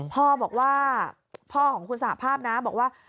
พ่อของคุณสหภาพนะบอกว่า